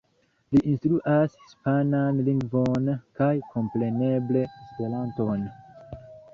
Li instruas hispanan lingvon, kaj kompreneble Esperanton.